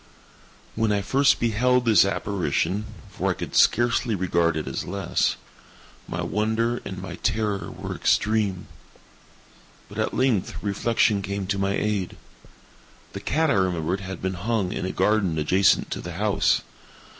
When I first beheld this apparition—for I could scarcely regard it as less—my wonder and my terror were extreme. But at length reflection came to my aid. The cat, I remembered, had been hung in a garden adjacent to the house.